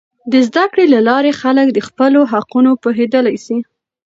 د زده کړې له لارې، خلک د خپلو حقونو پوهیدلی سي.